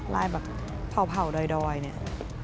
ลายแบบเผ่าดอยเนี่ย